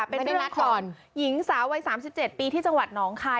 เป็นไปนัดก่อนหญิงสาววัย๓๗ปีที่จังหวัดหนองคาย